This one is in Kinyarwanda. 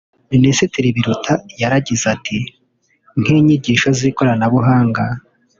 Minisitiri Biruta yaragize ati “Nk’inyigisho z’ikoranabuhanga